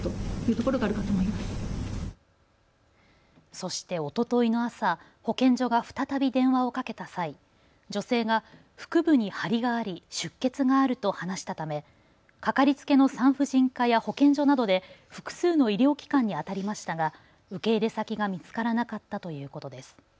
そして、おとといの朝、保健所が再び電話をかけた際、女性が、腹部にはりがあり出血があると話したため掛かりつけの産婦人科や保健所などで複数の医療機関にあたりましたが受け入れ先が見つからなかったということです。